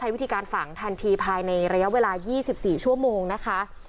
วิธีการฝังทันทีภายในระยะเวลา๒๔ชั่วโมงนะคะ